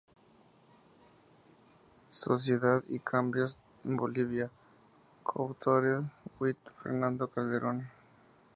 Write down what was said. Sociedad y Cambios en Bolivia; co-authored with Fernando Calderón.